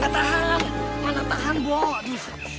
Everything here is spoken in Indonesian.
aduh gak tahan gak tahan bo